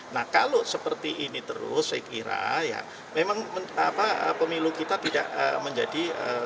nah kalau seperti ini terus saya kira ya memang pemilu kita tidak menjadi